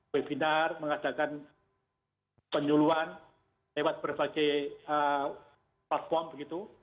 webinar mengadakan penyuluhan lewat berbagai platform begitu